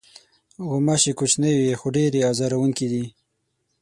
غوماشې کوچنۍ وي، خو ډېرې آزاروونکې دي.